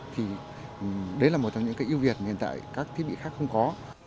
thì đấy là một trong những cái ưu việt hiện tại các thiết bị khác không có